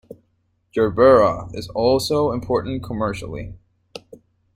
"Gerbera" is also important commercially.